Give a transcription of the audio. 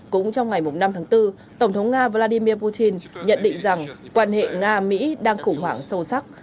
cũng trong ngày năm tháng bốn tổng thống nga vladimir putin nhận định rằng quan hệ nga mỹ đang khủng hoảng sâu sắc